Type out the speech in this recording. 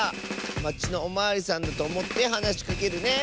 まちのおまわりさんだとおもってはなしかけるね！